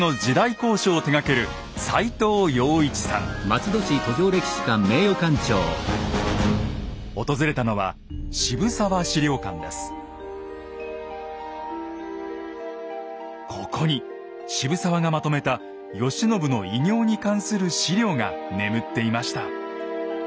考証を手がける訪れたのはここに渋沢がまとめた慶喜の偉業に関する史料が眠っていました。